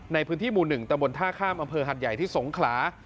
ในพื้นที่หมู่๑ตะบนท่าข้ามอำเภอหัดใหญ่ที่สงขลา